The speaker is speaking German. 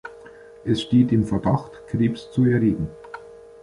Es steht im Verdacht, Krebs zu erregen.